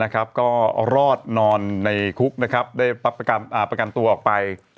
ก็รอดนอนในคุกได้ประกันตัวออกไป